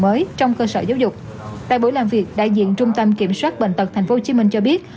mới trong cơ sở giáo dục tại buổi làm việc đại diện trung tâm kiểm soát bệnh tật tp hcm cho biết